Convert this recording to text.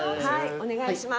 お願いします。